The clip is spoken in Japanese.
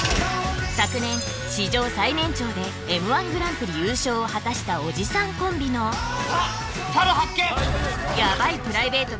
昨年史上最年長でＭ−１グランプリ優勝を果たしたおじさんコンビのあっサル発見！